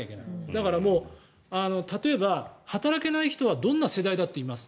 だから、例えば働けない人はどんな世代だっています。